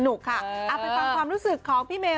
ไปฟังความรู้สึกของพี่เมย